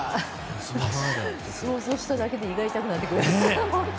想像しただけで胃が痛くなってくる。